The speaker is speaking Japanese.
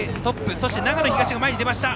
そして長野東が前に出た。